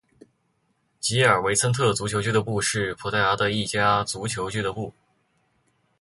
吉尔维森特足球俱乐部是葡萄牙的一家足球俱乐部。